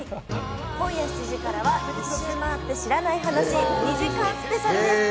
今夜７時からは『１周回って知らない話』２時間スペシャルです。